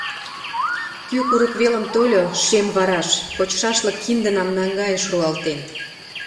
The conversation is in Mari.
Кӱ курык велым тольо шем вараш, Кочшашлык киндынам наҥгайыш руалтен.